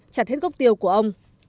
chặt hết gốc tiêu của ông